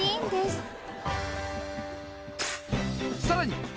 さらに